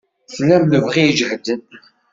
Tlam lebɣi ijehden.